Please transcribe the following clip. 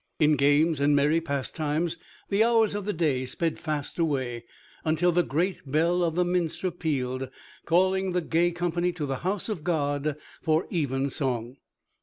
In games and merry pastimes the hours of the day sped fast away, until the great bell of the Minster pealed, calling the gay company to the house of God for evensong.